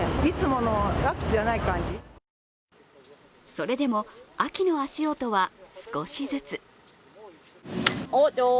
それでも秋の足音は、少しずつ。